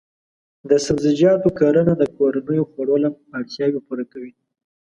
د سبزیجاتو کرنه د کورنیو خوړو اړتیاوې پوره کوي.